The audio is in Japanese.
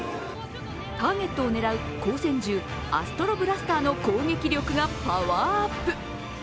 ターゲットを狙う光線銃アストロブスターの攻撃力がパワーアップ。